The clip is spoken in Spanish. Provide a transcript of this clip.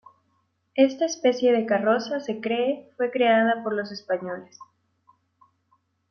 Esta especie de carroza se cree, fue creada por los españoles.